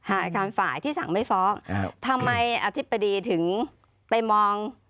อาจารย์ฝ่ายที่สั่งไม่ฟ้องทำไมอธิบดีถึงไปมอง